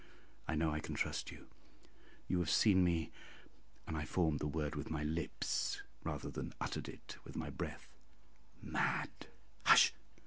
I know I can trust you. You have seen me" and I formed the word with my lips rather than uttered it with my breath "MAD! Hush!"